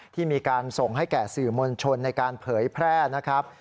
ที่มีการส่งให้แก่สื่อมวลชนในการเผยแพร่นะครับ